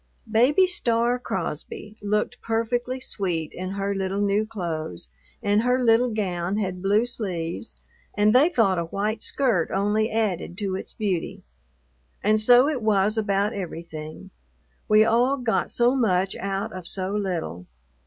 Baby Star Crosby looked perfectly sweet in her little new clothes, and her little gown had blue sleeves and they thought a white skirt only added to its beauty. And so it was about everything. We all got so much out of so little.